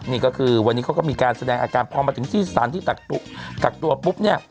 นี่ก็คือวันนี้เขาก็มีการแสดงอาการพอมาถึงที่สารที่กักตัวปุ๊บเนี่ย